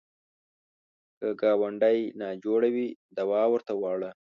که ګاونډی ناجوړه وي، دوا ورته وړه